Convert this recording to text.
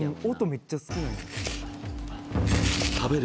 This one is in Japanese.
めっちゃ好きなんよ